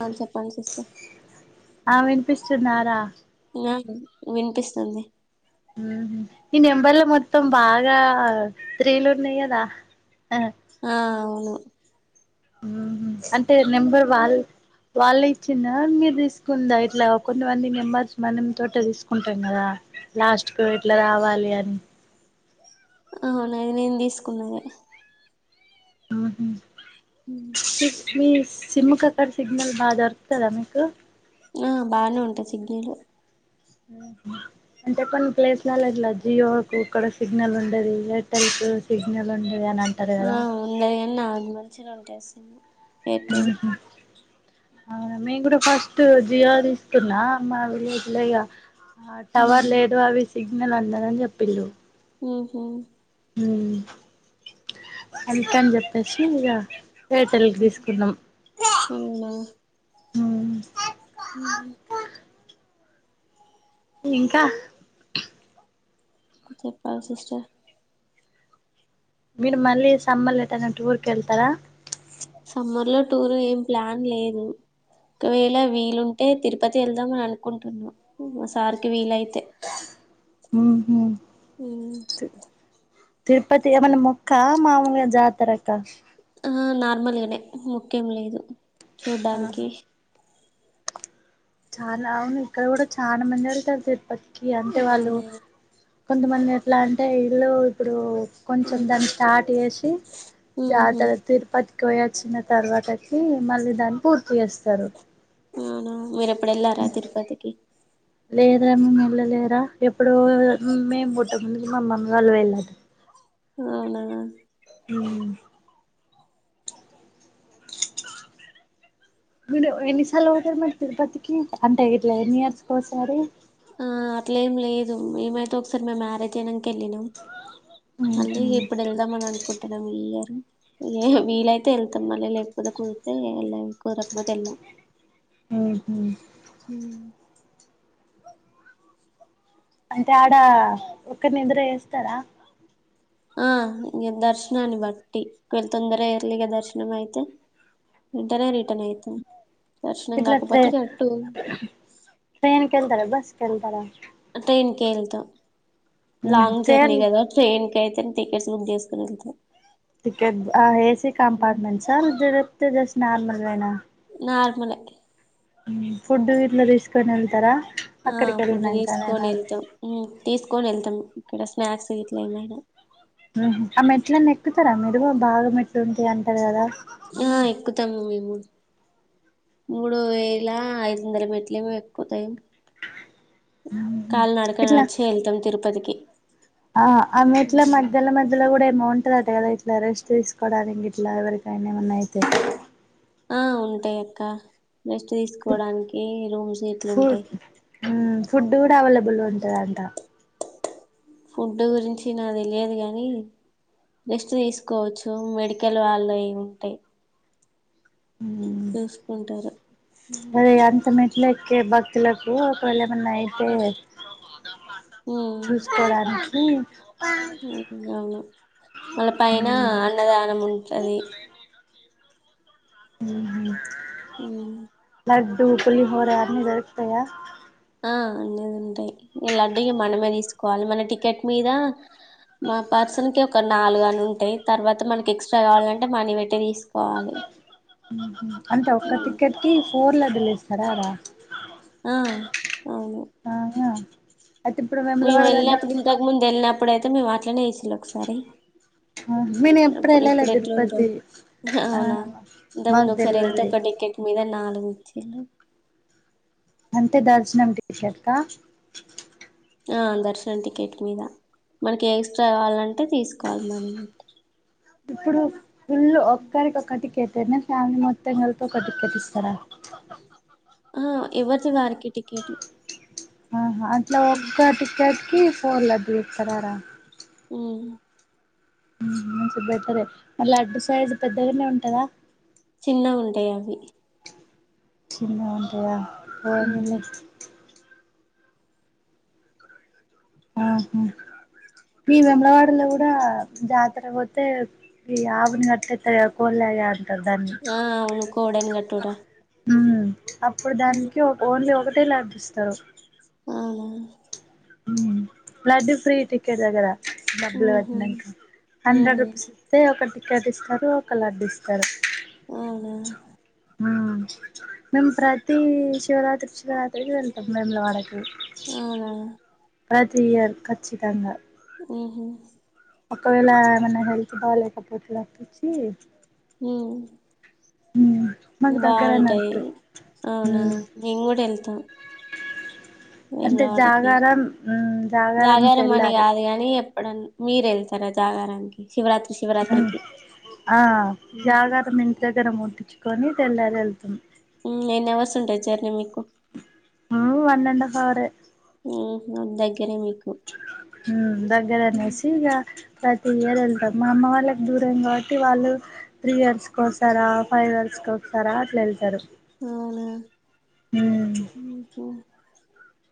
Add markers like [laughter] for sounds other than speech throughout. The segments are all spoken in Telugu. అవును చెప్పండి సిస్టర్ ఆ వినిపిస్తున్నారా ఆ వినిపిస్తుంది ఈ నెంబర్లో మొత్తం బాగా త్రీలు ఉన్నయ్ కదా ఆ ఆ అవును అంటే నెంబర్ వాళ్ళ వాళ్ళు ఇచ్చిందా మీరు తీసుకుందా ఇట్లా కొంతమంది నెంబర్స్ మనం తోట తీసుకుంటాం కదా లాస్ట్ కు ఇట్లా రావాలి అని అవును అది నేను తీసుకున్నదె ఆహ [unintelligible] సిమ్ కక్కడ సిగ్నల్ బాగా దొరుకుతదా మీకు ఆ బానే ఉంటాయి సిగ్నలు అంటే కొన్ని ప్లేస్లలో ఇట్లా జియో కు ఇక్కడ సిగ్నల్ ఉండది ఎయిర్టెల్ కు సిగ్నల్ ఉండది అని అంటారు కదా ఆ ఉందరి ఎన్న నార్మల్ చిన ఉంటేసీ ఎయిర్టెల్ అవును మేము కూడా ఫస్ట్ జియో తీసుకున్న మళ్ళీ ఇట్లా ఇగ టవర్ ఉమ్, లేట్ వవి సిగ్ నేను వందనని చెప్పిళ్ళు ఉహ హ అందుకని చెప్పేసి ఇగా ఎయిర్టెల్ కు తీసుకున్నం హ ఉహు ఇంకా చెప్పాలి సిస్టర్ మీరు మళ్ళీ సంమ్మల్ ఎటైనా టూరుకెల్తరా సమ్మర్ లో టూర్ ఏం ప్లాన్ లేదు ఒకవేళ వీలుంటే తిరుపతి వెళ్దాం అని అనుకుంటున్నాం మా సారికి వీలైతే హ అ తిరుపతి ఏమన ముొక్కా మామగా జాతరక్క ఆ నార్మల్గానే ముఖ్యం లేదు ఆహా చూడ్డానికి చాలా అవును ఇక్కడ కూడా ఛా మజర కతే ప క అంతే వాళ్ళు అవును కొంతమంది ఎట్లా అంటే ఇల్లు ఇప్పుడు కొంచెం ఉమ్, దాన్ని స్టార్ట్ చేసి ఉహు జాతర తిరుపతి ఎక్కువ వచ్చిన తర్వాతకి మళ్ళీ దాన్ని పూర్తి చేస్తారు నానా మ అప్పుడ ఎలా రా తరుపతికి లేదరా మేము వెళ్ళలేరా ఎప్పుడు మేము పుడ్ట్ట ముందు మామ్మమ్మ వాళ్ళు వెళ్ళదు అవునా అవు మీరు ఎన్నిసార్లు అవుతారు మరి తిరుపతికి అంటే ఇట్లా ఎన్ని ఇయర్స్కోసారి ఆ అట్లే ఏం లేదు ఏమైతే ఒకసారి మేము మ్యారేజ్ అయ్యాక ెళ్ళినాం మళ్ళీ ఇప్పుడు వెళ్దాం అని అనుకు య ఏ వీలైతే వెళ్తాం మళ్ళీ లేకపోతే కూరితేళ కురకపోతే వెళాం ఆహ అంటే ఆడ ఒక్కరి నిద్ర వేస్తారా ఆ ఇ దర్శనని బట్టి వెళ తొందర ఇర్లిగా దర్శనం అయితే రింటనే రిటర్న్ యితే ఇట్ల ట్రైన్ కళ్తార బస్ చెకన్ పా ట్రైన్కిళతో లాంగ్ జర్నీ ట్రైన్ అద ట్రైన్ కైతే తటిెట్స్లుమ్ స్ టికెట్ ఆ ఏసి కంపార్ట్మెంట్ సార్ నార్మలవెనా నార్మలె ఫుడ్ ఇట్ల తీసుకని వెళ్తారా. ఆ అక్కడికి ఫుడ్ తీసుకొని వెళ్ళినాకనేనా వెళ్తాం ఉ తీసుకొని వెళ్తాం. ఇక్కడ స్నాక్స్ ఇట్లా ఏమైనా ఆమెట్లలను ఎక్కుతారామె ఎ బాగా మెట్లుంటాయి అంటారు కదా. ఆ ఎక్కుతాము మేము మూడు వేల ఐదు వందల మెట్లుమో ఎక్కువతాయి. ఇట్లా అ ఇట్లా మధ్యలో మధ్యలో బగుంటందట కదా ఇట్లా రెస్ట్ తీసుకోవడానికి ఇం ఇట్లా ఎవరికైనా ఏమన్నా అయితే ఆ ఉంటాయ అక్క రెస్ట్ తీసుకోవడానికి రూమ్స్ ఇట్లు ఉంటాయి. హు ఫుడ్ కూడా అవైలబుల్ ఉంటదంట. ఫుడ్ గురించి నాకు తెలియదు కానీ రెస్ట్ తీసుకోవచ్చు. మెడికల్ వాళ్ళువి ఉంటాయి. చూసుకుంటారు. అరే అంత మ లెక్కే భక్తులకు ఒకవేళ ఏమన్నా అయితే ఉమ్, చూసుకోవడానికి ఉ అవును వాళ్ళ పైన మ్మ్ అన్నదానం ఉంటది. ఉ [unintelligible] ఊ లడ్డు, పులిహోర అన్ని దొరుకుతాయా ఆ అనేది ఉంటాయి. ఇలాడ్డ మనమే తీసుకోవాలి. మన టికెట్ మీద మా పర్సన్ కి ఒక నాలుగుని ఉంటాయి. తర్వాత మనకి ఎక్స్ట్రా కావాలంటే మనీ పెట్టి తీసుకోవాలి. ఉహ [unintelligible] అంత ఒక్క హ్మ్. టికెట్ కి ఫోర్ లడ్డులు ఇస్తారా అడా ఆ అవును ఆహా అయితే ఇప్పుడు మేము వేములవాడ దగ్గర వెళ్ళినప్పుడు, ఇంతకుముందు వెళ్ళినప్పుడు. ఇప్పుడైతేేము అట్నే ఒకసారి నేను ఎప్పుడు అప్పుడు వెళ్ళలే ఇప్పుడు ఎట్లాందో తిరుపతి ఆ అవునా మాకు ఇంతకుముందు ఒకసారి వెళ్తే తెల్వది ఒక టికెట్ మీద నాలుగు వచ్చిండు అంతే దర్శనం టికెట్ క ఆ దర్శన టికెట్ మీద మనకి ఎక్స్ట్రాకావాలంటే తీసుకోవాలి. మనీ బట్టి ఇప్పుడు ఫుల్లు ఒక్కరికి ఒకటిక్కట్ అనే ఫ్యామిలీ మొత్తం కలిపి ఒక టిక్కెట్ ఇస్తారా ఆ ఎవరితే వరకిటిక్కట్ ఆహా అట్లా ఒక్కటిక్కట్ కి ఫోన్ లబి ఇస్తారార ఉహు ఉహు మంచి బెటరే లడ్డు సైజు పెద్దగానే ఉంటందా చిన్నఉంటాయి అవి చిన్నఉంటయా పోనిల్ ఆహ ఈ వెమలవాడలో కూడా జాతర పోతే ఈ ఆవుని అట్టేట్ట కోడి లాగా ఆడి ఆ అవును కోడని కట్టూడా హ అప్పుడు దానికి ఒక ఓన్లీ ఒక అే అభిస్తారు అవునా బ్లడ్ ఫ్రీ టికెట్ వగర డబ్బులు ఉహు పెట్టినాంక హండ్రెడ్ ఉహు రూపీస్ ఇస్తే ఒకటి దిస్తారు ఒక లడ్డిస్తారు అవునా మేము ప్రతీ శివరాత్రి శివరాత్రకి వెళ్తాం మేములు వాడకి అవునా ప్రతియర్ కచ్చి తంగా ఆఓహో ఒకవేళ ఏమైన్నా హెల్త్ బాలేకపోతే అప్పించి హ మాకు బాగుంటాది దగ్గరన్నట్టు అవునా మేము కూడా వెళ్తాం అంటే వేములవాడకి జాగారం జాగారం తెళ్లాలి ఇప్పుడ మీర వెళ్తారా జాగారానికి శివరాత్రి శివరాత్రికి ఆ జగార మంత దగర ముటిచ్చ కొని తెల్లారి వెళ్తుాం ఎయిన్వర్స్ ఉండచ్చారు మీకు వన్ అండ్ హఫ్ ఆరు ఉ అందక హ దగ్గర నేసిగ ప్రతి ఇయర్ వెళ్తారు మా అమ్మ వాళ్ళకి దూరంం కాబట్టి వాళ్ళు త్రీ ఇయర్స్కి వస్తారా ఫైవ్ ఇయర్స్కి వస్తారా అట్లా వెళ్తారు అవునా అకా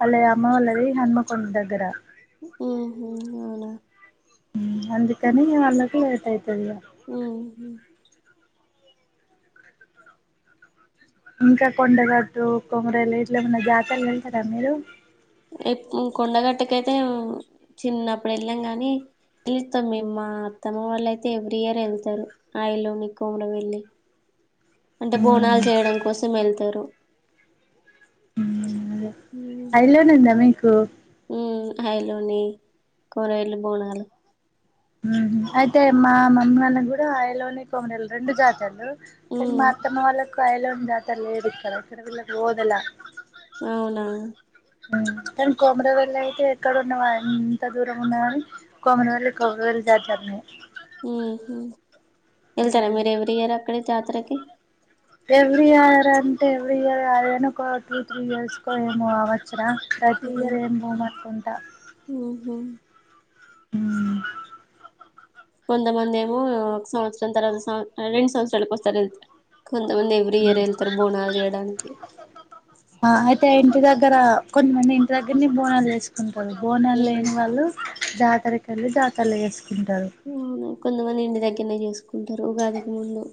అల్ే అమ్మవల్ది హనుమ కొండ దగ్గర ఆ అవునా అందుకని న వాళ్ళకి వేట అయి తెలియ అ ఇంకా కొండగట్టు కొమరలు ఇట్ల ఏమన్నా జాతలు వెళ్తారా మీరు కొండగట్టక అయితే చిన్నప్పుడు వెళ్ళాం కాని పిలుస్తాం మేము మా అత్తమ్మ వాళ్ళయితే ఎవ్రీ ఇయర్ వెళ్తారు ఆయలోనిీ కోమర వెళ్ళి అంటే బోనాలు చేయడం కోసం వెళ్తారు అయిలోనందా మీకు స అయలోని కొరళ పోనాాలు అయితే మా మమ్మ అన్న కూడా అయలోనే కొమరలు రెండు జాతలు కానీ ఉమ్ మాత్తమ వా య జాత లే ఇక్కడ వల పోదల అవునా కానీ కోమరవెల్లి అయితే ఎక్కడన్నా ఎంత దూరం ఉన్నాని కోమరవెల్లి కోమరవెల్లి దాచారని హ హ ఎతరా మ మీరు ఎవీ ఇయర్ అక్కడ జాత్రరకి ఎవ్రీ ఇయర్ అంటే ఎవ్రీ ఇయర్ అదేనుకో టూ త్రీ ఇయర్స్కో ఏమో అవచ్చరా ప్రతి ఇయరు ఏన్ బా మతుంట అ ఆహ హ కొంతమంది ఏమో ఒక సంవత్సరం తర్వాత సం రెండు సంవత్సరాలకు వస్తారు వెళ్తే కొంతమంది ఎవ్రీ ఇయర్ వెళ్తారు బోనాలు చేయడానికి కొంత మంది ఇంటి దగ్గర ని బోనాలు చేేసుకు పల్పోన ఉమ్ లేని వాళ్ళు జాతరకిళ దాతలు వేస్త ఆవు కొంత మంది ఇంటి దక్ ఎక్కనే చేసుకుంటారు ఉగాదికి ముందు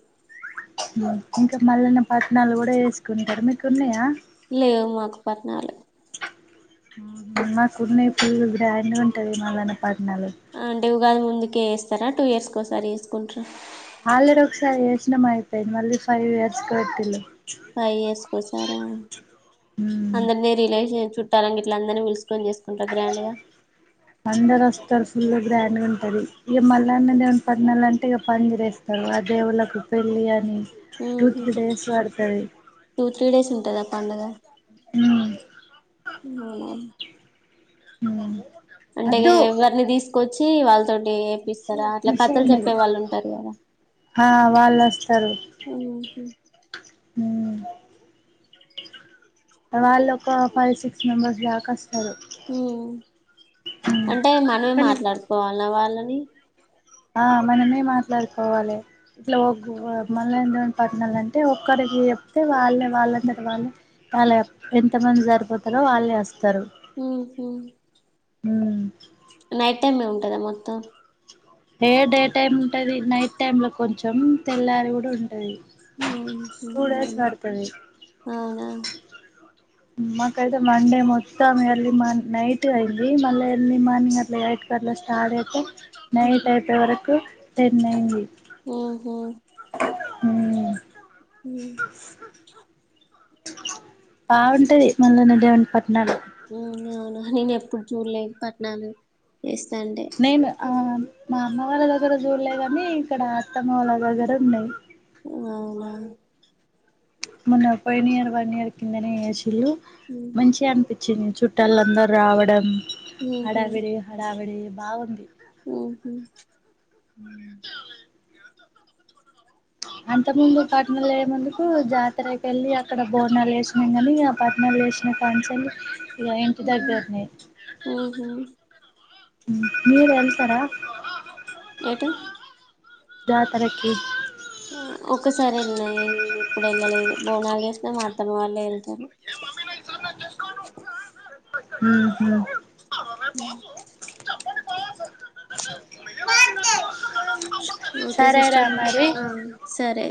ఇంకా మళ్లన పట్టనాాలు కూడా వేసుకుంటారు మీకు ఉన్నాయా లేవు మాకు పట్నాలు మన్ పడ్ అట్టది మల్లన పట్నాలు కాదు ముందుకే వేస్తారా టూ ఇయర్స్కి ఒకసారి వేసుకుంటార ఆలడ ఒకసారి యోజన అయిపోయింది మళ్ళీ ఫైవ్ ఇయర్స్ కట్టిలు ఫైవ్ ఇయర్స్కిసారా అందరినీ రిలేషన్షప్ చు తరంగ ఇట్లందని పిల్ సి అందరోస్తారు ఫుల గ్రాండ్ గుంటది ఇగ మల్లన్న దేవుని పట్నాలు అంటే ఇగ పందిరెస్తారు ఆ దేవుళ్ళకు పెళ్ళి అని టు ఉహు త్రీ డేస్ పడుతది టూ త్రీ డేస్ ఉంటదా పండుగ హు అవునా ఉ అంటే ఇగ ఎవరిని తీసుకు వచ్చి వాళ్ళతో ంటీ ఏపిస్తారా అట్లా నిష కథలు ఉన్నది చెప్పే వాళ్ళు ఉంటారు కదా ఆ వాళ్ళు హు వాళ్ళొ ఒక ఫైవ్ సిక్స్ మెంబర్స్ దాక వస్ ఉ అంటే మనమే కానీ మాట్లాడుకోవాల్నా వాళ్ళను నీ ఆ మనమే మాట్లాడుకోవాలే ట్లోకు ఆ మల్లన్న దేవుని పట్నాలు అంటే ఒక్కరికి చెప్తే వాళ్ళే వాళ్ళంతట వాళ్ళే వాళ్ళు ఎంత మంది సరిపోతారో వాళ్ళే వస్తారు మ్ హు హు మొత్తం ఏే డే టైమ్ ఉంటది నైట్ టైమ్ లో కొంచెం తెల్లారి కూడా ఉంటది అవున టూ డేస్ అవున పడుతది అవునా మాకైతే మండే మొత్తం ఎర్లీ మార్ నైట్ అయింది మళ్ళ ఎర్లీ మార్నింగ్ అట్లా ఎయిట్ అట్లా స్టార్ట్ చెత్తే నైట్ అయి పోయే వరకు టెన్ అయ్యింది మ్ హు మ్ అ బాగుంటది మల్లన్న దేవుని పట్నాలు అవునా నేను ఎప్పుడు చూడలేదు పట్నాలు చేస్తాంటే నేను ఆ మా అమ్మ వాళ్ళ దగ్గర చూడలే కాని ఇక్కడ అత్తమ్మ వాళ్ళ దగ్గర ఉన్నాయి అవునా మోన్న పోయిన ఇయర్ వన్ ఇయర్ కిందనే చేసి ళ్ళు ఉహు మంచిగా అనిపించింది చుట్టాలందరూ రావడం హడావిడి హడావిడి బాగుంది మ్ హు మ్ అంత ముందు పట్టణాలు లేముందుకు జాతర కెళ్ళి అక్కడ బోనాలు వేసినం కాని ఇగ పట్నలు వేసిన ఏశిన కంచెలి ఇగ ఇంటి దగ్గర్నే ఉహు మీరు ఎళ్తారా తూ జాతరకి ఆ ఒక్కసారి వెళ్ళినయే నేను ఎప్పుడు వెళ్ళలేదు బోనాలు చేసిన మా అత్తమ్మ వాళ్ళే వెళ్తారు హుహు హ ఓకే సరేరా సిస్టర్ మ్ మరి ఆ సరే